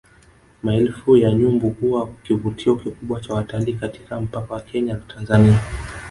Maelfu ya nyumbu huwa kivutio kikubwa cha watalii katika mpaka wa Kenya na Tanzania